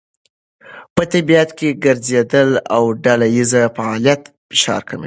په طبیعت کې ګرځېدل او ډلهییز فعالیت فشار کموي.